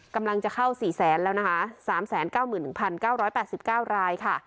กำลังจะเข้าสี่แสนแล้วนะคะสามแสนเก้าหมื่นพันเก้าร้อยแปดสิบเก้ารายค่ะ